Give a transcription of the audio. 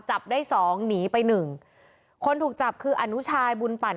จับได้สองหนีไปหนึ่งคนถูกจับคืออนุชายบุญปั่น